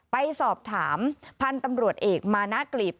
ไปสอบถามพันธุ์ตำรวจเอกมานะกลีบ